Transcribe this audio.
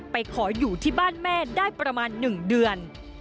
ขออยู่ที่บ้านแม่ได้ประมาณ๑เดือน